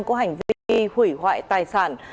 có hành vi hủy hoại tài sản